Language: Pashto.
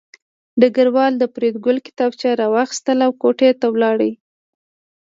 ډګروال د فریدګل کتابچه راواخیسته او کوټې ته لاړ